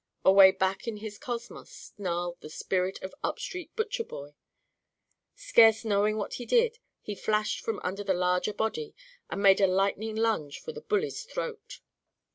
Away back in his cosmos snarled the spirit of Upstreet Butcherboy. Scarce knowing what he did, he flashed from under the larger body and made a lightning lunge for the bully's throat.